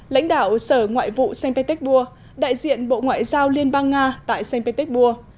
lãnh đạo sở ngoại vụ st petersburg đại diện bộ ngoại giao liên bang nga tại st petersburg